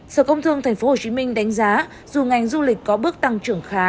sở công thương tp hcm đánh giá dù ngành du lịch có bước tăng trưởng khá